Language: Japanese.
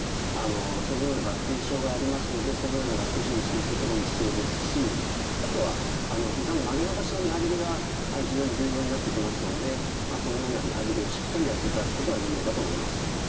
そのような合併症がありますのでそのような合併症に注意することも必要ですしあとはひざの曲げ伸ばしのリハビリが非常に重要になってきますのでそのようなリハビリをしっかりやっていただくことが重要かと思います。